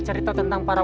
saya mendeng também